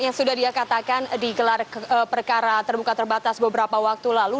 yang sudah dia katakan digelar perkara terbuka terbatas beberapa waktu lalu